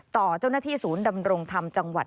ต่อเจ้าหน้าที่ศูนย์ดำรงธรรมจังหวัด